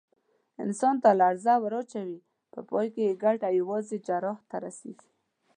انسان ته لړزه ور اچوي، په پای کې یې ګټه یوازې جراح ته رسېږي.